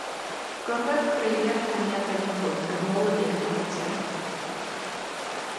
Gorwedd gwreiddiau'r canu arbennig hwn yn ôl ym myd y Celtiaid.